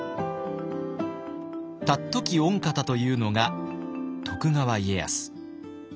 「尊き御方」というのが徳川家康。